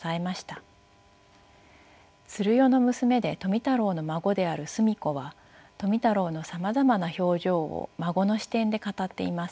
鶴代の娘で富太郎の孫である澄子は富太郎のさまざまな表情を孫の視点で語っています。